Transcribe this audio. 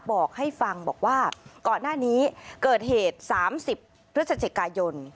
บอกให้ฟังบอกว่าก่อนหน้านี้เกิดเหตุ๓๐พฤศจิกายน